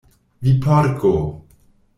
"Vi Porko!"